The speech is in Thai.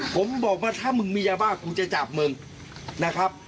ผมบอกว่าถ้ามึงมียาบ้ากูจะจับมึงนะครับ